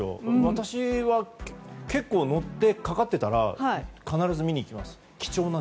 私は結構乗ってて、かかってたら必ず見に行きます。